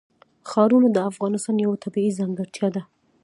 ښارونه د افغانستان یوه طبیعي ځانګړتیا ده.